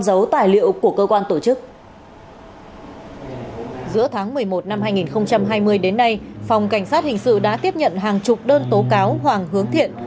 giữa tháng một mươi một năm hai nghìn hai mươi đến nay phòng cảnh sát hình sự đã tiếp nhận hàng chục đơn tố cáo hoàng hướng thiện